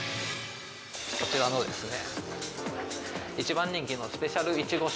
こちらのですね。